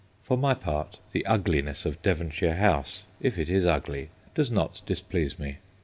For my part, the ugliness of Devonshire House, if it is ugly, does not displease me.